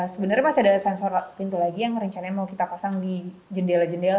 sebenarnya masih ada sensor pintu lagi yang rencananya mau kita pasang di jendela jendela